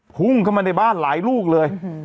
พุ่งเข้ามาในบ้านหลายลูกเลย